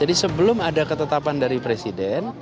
jadi sebelum ada ketetapan dari presiden